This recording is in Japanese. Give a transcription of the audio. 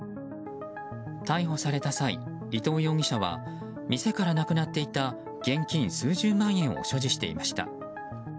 逮捕された際、伊藤容疑者は店からなくなっていた現金数十万円を所持していました。